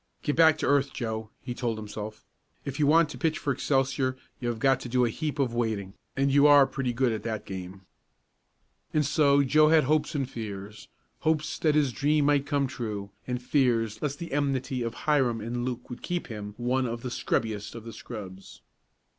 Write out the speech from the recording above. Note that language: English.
"Get back to earth, Joe," he told himself. "If you want to pitch for Excelsior you've got to do a heap of waiting, and you are pretty good at that game." And so Joe had hopes and fears hopes that his dream might come true, and fears lest the enmity of Hiram and Luke would keep him one of the "scrubbiest of the scrubs."